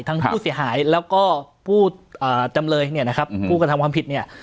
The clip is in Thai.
ทั้งผู้เสียหายแล้วก็ผู้จำเลยเนี่ยนะครับผู้กระทำความผิดเนี่ย